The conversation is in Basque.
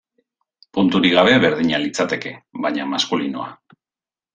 Punturik gabe berdina litzateke, baina maskulinoa.